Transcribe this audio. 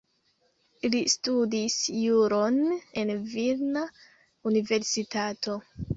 Li studis juron en Vilna Universitato.